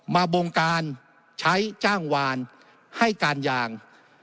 บงการใช้จ้างวานให้การยาง